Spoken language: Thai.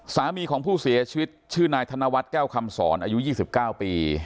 สามีของผู้เสียชีวิตชื่อนายธนวัตรแก้วคำสอนอายุยี่สิบเก้าปี